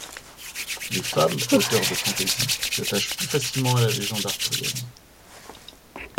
Les femmes auteurs de fantasy s'attachent plus facilement à la légende arthurienne.